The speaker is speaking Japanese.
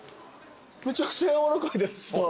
めちゃくちゃ柔らかいです下。